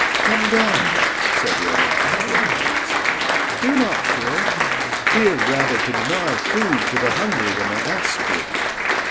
"Come down," said Romola, after a pause. "Do not fear. Fear rather to deny food to the hungry when they ask you."